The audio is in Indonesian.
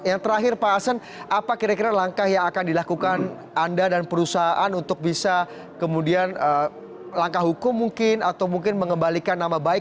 yang terakhir pak asen apa kira kira langkah yang akan dilakukan anda dan perusahaan untuk bisa kemudian langkah hukum mungkin atau mungkin mengembalikan nama baik